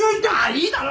いいだろ！